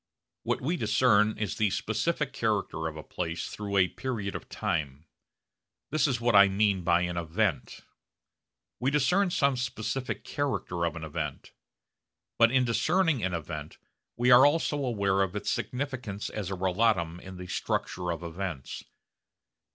What we discern is the specific character of a place through a period of time. This is what I mean by an 'event.' We discern some specific character of an event. But in discerning an event we are also aware of its significance as a relatum in the structure of events.